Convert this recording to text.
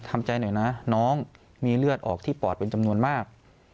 ทำใจหน่อยนะน้องมีเลือดออกที่ปอดเป็นจำนวนมาก